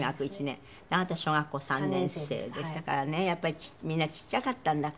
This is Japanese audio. あなたが小学校３年生でしたからねやっぱりみんなちっちゃかったんだから。